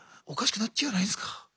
おかしくなっちゃわないですか？